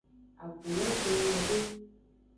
Agu lo den nyuiede.